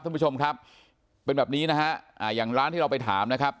ท่านผู้ชมครับเป็นแบบนี้นะฮะอ่าอย่างร้านที่เราไปถามนะครับ